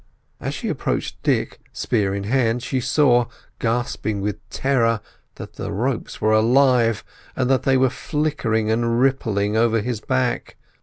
As she approached Dick, spear in hand, she saw, gasping with terror, that the ropes were alive, and that they were flickering and rippling over his back.